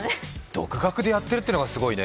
独学でやっているっていうのがすごいね。